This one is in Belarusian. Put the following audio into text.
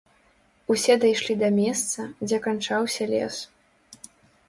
Усе дайшлі да месца, дзе канчаўся лес.